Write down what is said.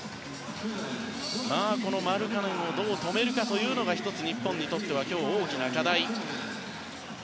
マルカネンをどう止めるかというのが１つ、日本にとっては今日の大きな課題。